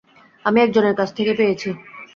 আমি একজনের কাছ থেকে পেয়েছি।